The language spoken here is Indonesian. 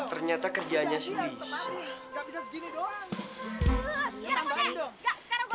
ternyata kerjaannya sulisa